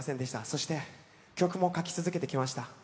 そして曲も書き続けてきました。